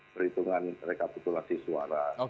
perhitungan rekapitulasi suara